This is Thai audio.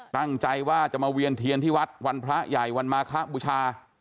ตั้งใจว่าจะมาเวียนเทียนที่วัดวันพระใหญ่วันมาคะบูชา